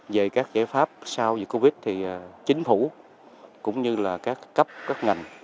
về các giải pháp sau covid thì chính phủ cũng như các cấp các ngành